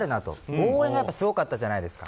応援がすごかったじゃないですか